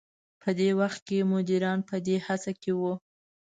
په دې وخت کې مديران په دې هڅه کې وو.